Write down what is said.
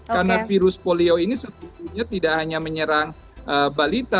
karena virus polio ini sebetulnya tidak hanya menyerang balita